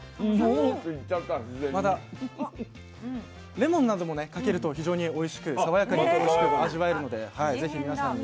レモンなどもねかけると非常においしく爽やかに味わえるのではい是非皆さんに。